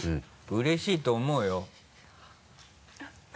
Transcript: うれしいと思うよ。